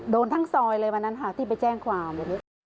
โดนทั้งซอยเลยวันนั้นค่ะที่ไปแจ้งความ